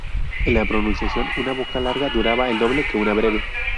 En la pronunciación, una vocal larga duraba el doble que una breve.